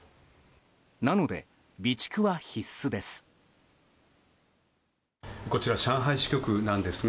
なので、備蓄は必須です。